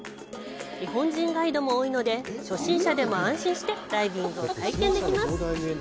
日本人ガイドも多いので初心者でも安心してダイビングを体験できます。